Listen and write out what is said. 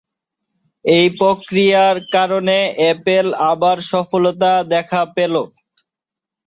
এ প্রক্রিয়ার কারণে অ্যাপল আবার সফলতার দেখা ফেলো।